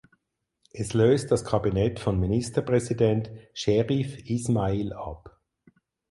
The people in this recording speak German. Es löst das Kabinett von Ministerpräsident Scherif Ismail ab.